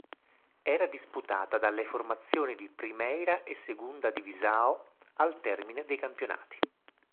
Era disputata dalle formazioni di Primeira e Segunda Divisão al termine dei campionati.